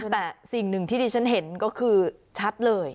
แต่สิ่งหนึ่งที่ที่ฉันเห็นก็คือชัดเลย